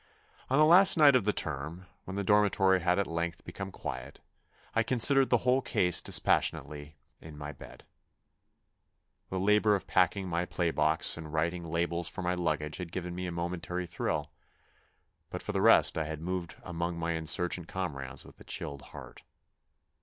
On the last night of the term, when the dormitory had at length become quiet, I considered the whole case dispassionately in my bed. The labour of packing my play THE NEW BOY 77 box and writing labels for my luggage had given me a momentary thrill, but for the rest I had moved among my insurgent com rades with a chilled heart.